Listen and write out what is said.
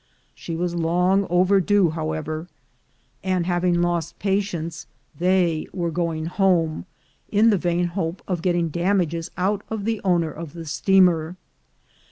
She was long overdue, however, and having lost patience, they were going home, in the vain hope of getting damages out of the owner of the steamer.